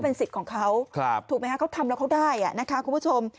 เป็นสิทธิ์ของเขาถูกไหมคะเขาทำแล้วเขาได้นะคะคุณผู้ชม